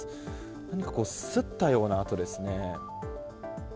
何かすったような跡ですね。